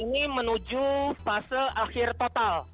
ini menuju fase akhir total